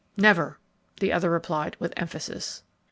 "Never!" the other replied with emphasis.